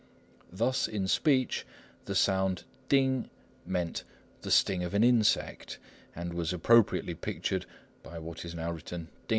Thus, in speech the sound ting meant "the sting of an insect," and was appropriately pictured by what is now written 丁.